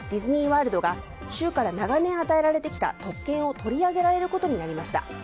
ワールドが州から長年与えられてきた特権を取り上げられることになりました。